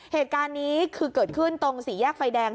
เหตุการณ์นี้คือเกิดขึ้นตรงสี่แยกไฟแดง